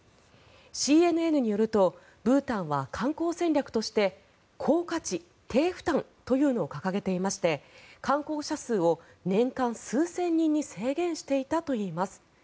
ＣＮＮによるとブータンは観光戦略として高価値・低負担というのを掲げていまして観光者数を年間数千人に制限していたといいます。